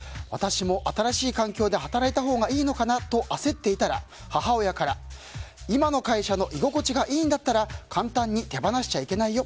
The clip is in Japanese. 周りに転職したり起業する人が多くて私も新しい環境で働いたほうがいいのかなと焦っていたら、母親から今の会社の居心地がいいんだったら簡単に手放しちゃいけないよ